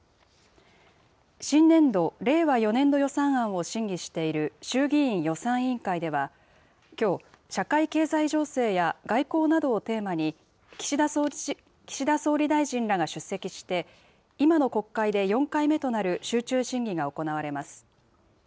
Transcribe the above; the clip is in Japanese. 新年度・令和４年度予算案を審議している衆議院予算委員会では、きょう、社会経済情勢や外交などをテーマに、岸田総理大臣らが出席して、今の国会で４回目となる集中審議が行われます。